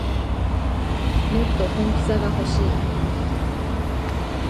もっと本気さがほしい